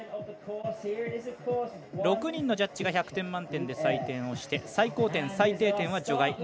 ６人のジャッジが１００点満点で採点をして最高点、最低点は除外。